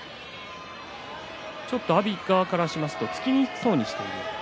ちょっと阿炎側からすると突きにくそうにしている。